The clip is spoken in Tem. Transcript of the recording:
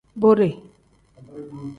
Bode.